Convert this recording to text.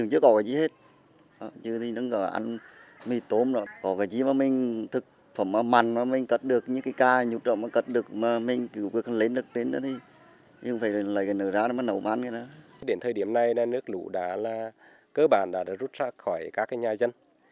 đến thời điểm này nước lũ cơ bản đã rút ra khỏi các nhà dân